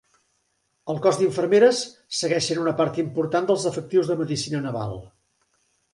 El Cos d'infermeres segueix sent una part important dels efectius de Medicina Naval.